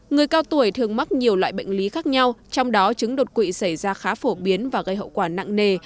người cao tuổi thường mắc nhiều loại bệnh lý khác nhau trong đó chứng đột quỵ xảy ra khá phổ biến và gây hậu quả nặng nề